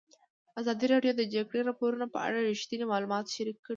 ازادي راډیو د د جګړې راپورونه په اړه رښتیني معلومات شریک کړي.